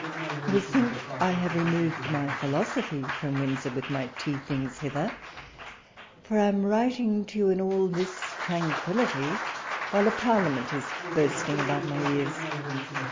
You will think I have removed my philosophy from Windsor with my tea things hither ; for I am writing to you in all this tranquillity, while a Parliament is bursting about my ears.